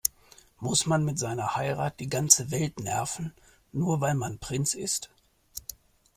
Muss man mit seiner Heirat die ganze Welt nerven, nur weil man Prinz ist?